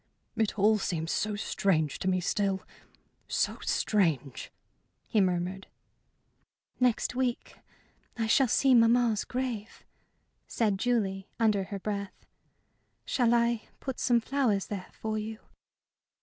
"It all seems so strange to me still so strange!" he murmured. "Next week I shall see mamma's grave," said Julie, under her breath. "Shall I put some flowers there for you?"